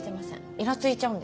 いらついちゃうんです。